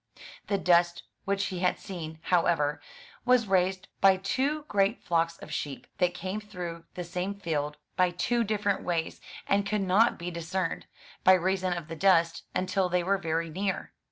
The dust which he had seen, however, was raised by two great flocks of sheep, that came through the same field by two differ 95 M Y BOOK HOUSE ent ways, and could not be discerned, by reason of the dust, until they were very near.